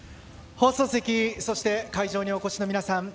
放送席そして会場にお越しの皆さん。